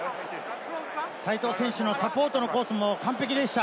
齋藤選手のサポートのコースも完璧でした。